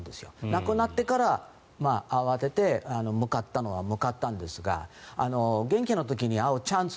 亡くなってから、慌てて向かったのは向かったんですが元気な時に会うチャンス